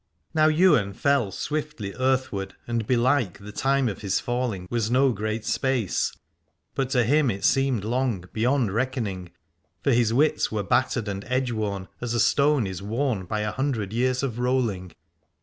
Now Ywain fell swiftly earthward, and belike the time of his falling was no great space : but to him it seemed long, beyond reckoning, for his wits were battered and edgeworn, as a stone is worn by a hundred years of rolling.